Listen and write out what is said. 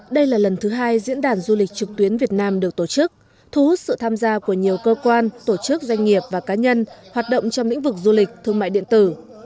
đây là lần thứ hai diễn đàn du lịch trực tuyến việt nam được tổ chức thu hút sự tham gia của nhiều cơ quan tổ chức doanh nghiệp và cá nhân hoạt động trong lĩnh vực du lịch thương mại điện tử